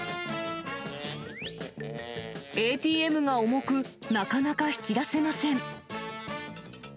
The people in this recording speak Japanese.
ＡＴＭが重く、なかなか引き出せません。